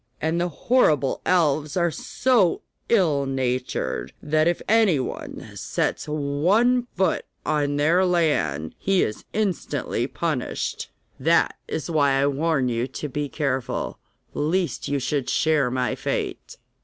And the horrible elves are so ill natured that if anyone sets one foot on their land he is instantly punished. That is why I warn you to be careful, lest you should share my fate.